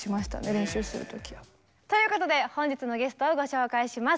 練習する時。ということで本日のゲストをご紹介します。